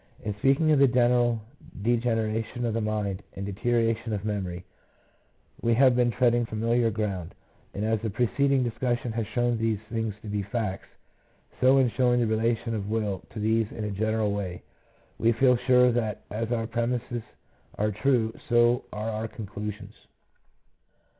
In speaking of the general degeneration of the mind and the deterioration of memory, we have been treading familiar ground, and as the preceding dis cussion has shown these things to be facts, so in showing the relation of will to these in a general way, we feel sure that as our premises are true, so are our conclusions.